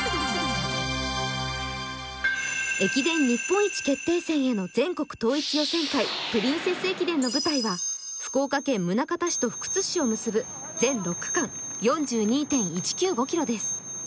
駅伝日本一決定戦への全国統一予選会、プリンセス駅伝の舞台は福岡県宗像市と福津市を結ぶ全６区間４２．１９５ｋｍです。